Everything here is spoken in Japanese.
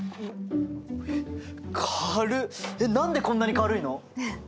えっ何でこんなに軽いの？